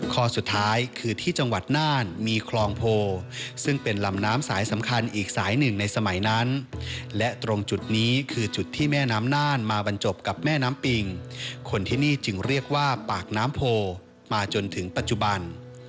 ข้อสุดท้ายคือที่จังหวัดน่านมีคลองโพซึ่งเป็นลำน้ำสายสำคัญอีกสายหนึ่งในสมัยนั้นและตรงจุดนี้คือจุดที่แม่น้ำน่านมาบรรจบกับแม่น้ำปิงคนที่นี่จึงเรียกว่าปากน้ำโพมาจนถึงปัจจุบัน